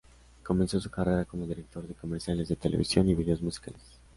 Comenzó su carrera como director de comerciales de televisión y Vídeos Musicales.